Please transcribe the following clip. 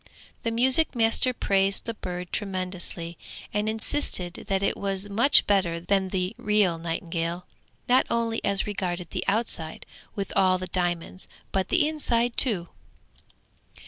The music master praised the bird tremendously, and insisted that it was much better than the real nightingale, not only as regarded the outside with all the diamonds, but the inside too.